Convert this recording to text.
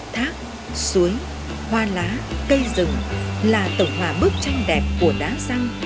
thác suối hoa lá cây rừng là tổng hòa bức tranh đẹp của đá răng